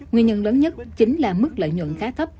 nguyên nhân lớn nhất chính là mức lợi nhuận khá thấp